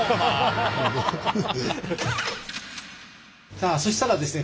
さあそしたらですね